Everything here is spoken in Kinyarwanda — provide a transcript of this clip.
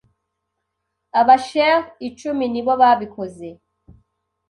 aba Sheikh icumi nibo babikoze